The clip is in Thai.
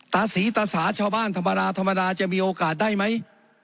ตาสีตาสาชาวบ้านธรรมดาธรรมดาจะมีโอกาสได้ไหม